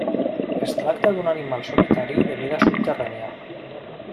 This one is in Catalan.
Es tracta d'un animal solitari de vida subterrània.